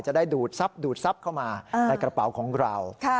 จะได้ดูดซับเข้ามาในกระเป๋าของเรา